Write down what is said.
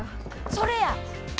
それや！